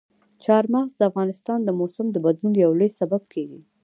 چار مغز د افغانستان د موسم د بدلون یو لوی سبب کېږي.